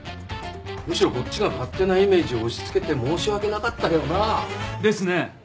むしろこっちが勝手なイメージを押し付けて申し訳なかったけどな。ですね。